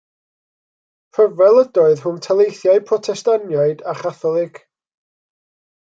Rhyfel ydoedd rhwng taleithiau Protestaniaid a Chatholig.